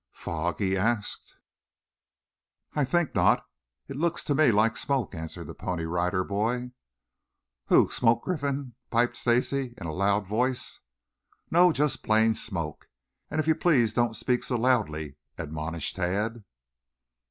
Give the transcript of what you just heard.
"Fog?" he asked. "I think not. It looks to me like smoke," answered the Pony Rider Boy. "Who, Smoke Griffin?" piped Stacy in a loud voice. "No, just plain smoke. And if you please, don't speak so loudly," admonished Tad.